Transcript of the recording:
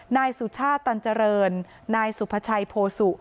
นายสุชาติตันเจริญนายสุภาชัยโพสุ